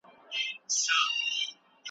تکویني پوښتنې موږ د تېر وخت تاریخ ته بیايي.